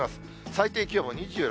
最低気温も２６、７度。